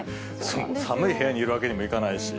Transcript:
寒い部屋にいるわけにもいかないし。